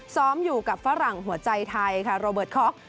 ซ้อมอยู่กับฝรั่งหัวใจไทยค่ะโรเบิร์ตคอก